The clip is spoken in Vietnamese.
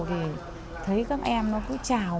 thì thấy các em nó cứ chào